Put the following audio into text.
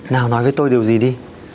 nào nói với tôi điều gì đi